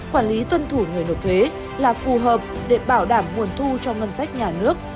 quản lý tuân thủ người nộp thuế là phù hợp để bảo đảm nguồn thu cho ngân sách nhà nước